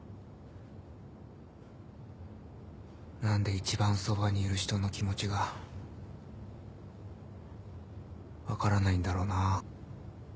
何で一番そばにいる人の気持ちが分からないんだろな？